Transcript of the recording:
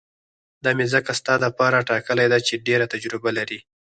دا مې ځکه ستا دپاره ټاکلې ده چې ډېره تجربه لري.